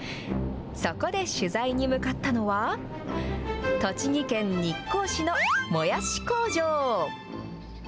そこで取材に向かったのは、栃木県日光市のもやし工場。